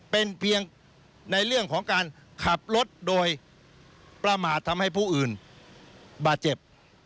เป็นเพียงในเรื่องของการขับรถโดยประมาททำให้ผู้อื่นบาดเจ็บ